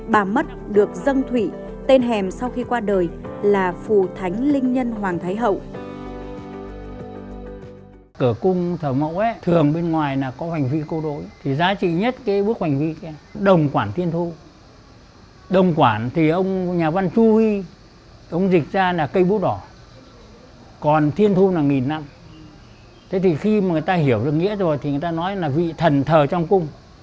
bà mất được dâng thụy tên hèm sau khi qua đời là phù thánh linh nhân hoàng thái hậu